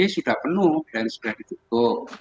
sudah penuh dan sudah ditutup